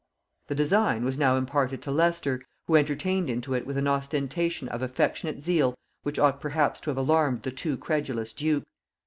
The design was now imparted to Leicester, who entered into it with an ostentation of affectionate zeal which ought perhaps to have alarmed the too credulous duke.